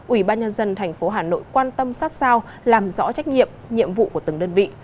ủy ban nhân dân tp hà nội quan tâm sát sao làm rõ trách nhiệm nhiệm vụ của từng đơn vị